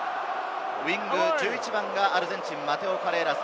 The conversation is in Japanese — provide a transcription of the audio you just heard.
１１番がアルゼンチン、マテオ・カレーラス。